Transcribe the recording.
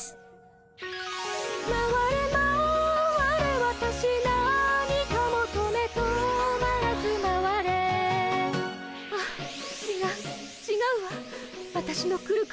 まわれまわれわたし何かもとめ止まらずまわれああちがうちがうわわたしのくるくるには何かが足りない。